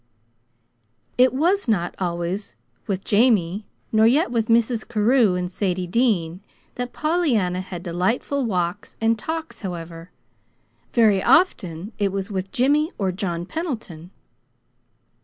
It was not always with Jamie, nor yet with Mrs. Carew and Sadie Dean that Pollyanna had delightful walks and talks, however; very often it was with Jimmy, or John Pendleton.